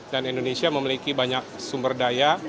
dan indonesia memiliki banyak sumber daya